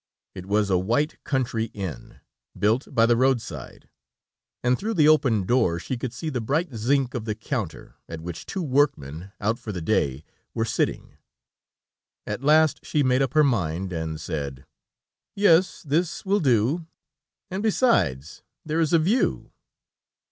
It was a white, country inn, built by the road side, and through the open door she could see the bright zinc of the counter, at which two workmen, out for the day, were sitting. At last she made up her mind, and said: "Yes, this will do; and, besides, there is a view."